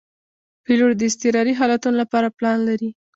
پیلوټ د اضطراري حالتونو لپاره پلان لري.